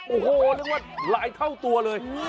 โอ้โหนึกว่าหลายเท่าตัวเลย